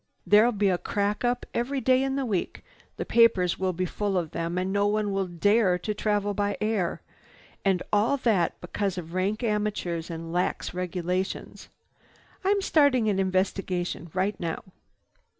There'll be a crack up every day in the week. The papers will be full of them and no one will dare to travel by air. And all that because of rank amateurs and lax regulations. I'm starting an investigation right now."